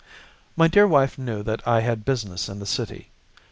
My dear wife knew that I had business in the City.